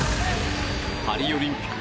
パリオリンピック